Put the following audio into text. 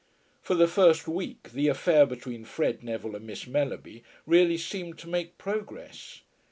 For the first week the affair between Fred Neville and Miss Mellerby really seemed to make progress.